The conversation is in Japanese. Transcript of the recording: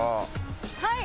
はい！